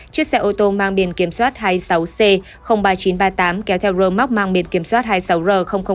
chiếc xe ô tô mang biển kiểm soát hai mươi sáu c ba nghìn chín trăm ba mươi tám kéo theo rơm móc mang biển kiểm soát hai mươi sáu r tám mươi năm